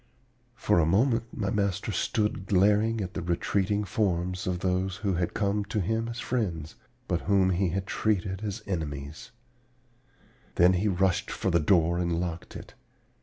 "For a moment my master stood glaring at the retreating forms of those who had come to him as friends, but whom he had treated as enemies; then he rushed for the door and locked it.